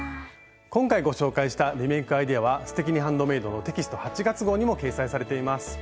今回ご紹介したリメイクアイデアは「すてきにハンドメイド」のテキスト８月号にも掲載されています。